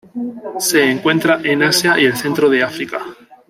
Se encuentra en Asia y el centro de África.